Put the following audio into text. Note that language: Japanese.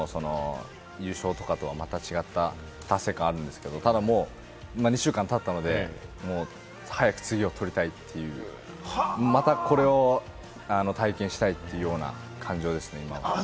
これまでの優勝とかとは、また違った達成感があるんですけれども、ただもう２週間経ったので、早く次を取りたいっていう、またこれを体験したいというような感情ですね、今は。